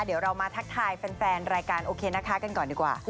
เดี๋ยวเรามาทักทายแฟนรายการโอเคนะคะกันก่อนดีกว่า